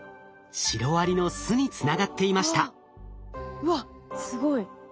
うわっすごい。